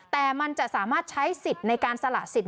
แต่มันจะสามารถใช้สิทธิ์ในการสละสิทธิ